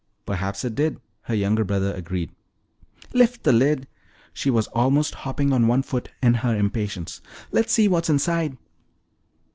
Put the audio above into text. "Perhaps it did," her younger brother agreed. "Lift the lid." She was almost hopping on one foot in her impatience. "Let's see what's inside."